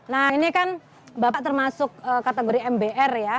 nah ini kan bapak termasuk kategori mbr ya